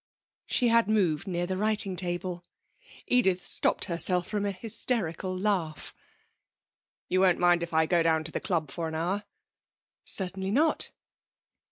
She had moved near the writing table. Edith stopped herself from a hysterical laugh. 'You won't mind if I go down to the club for an hour?' 'Certainly not.'